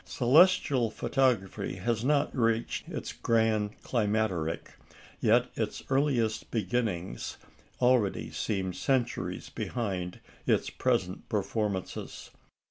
Celestial photography has not reached its grand climacteric; yet its earliest beginnings already seem centuries behind its present performances.